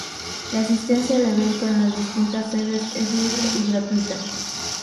La asistencia al evento en las distintas sedes es libre y gratuita.